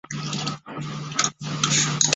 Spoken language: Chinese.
韦斯滕多尔夫是德国巴伐利亚州的一个市镇。